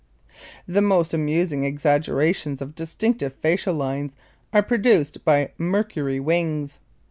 The most amusing exaggerations of distinctive facial lines are produced by Mercury wings.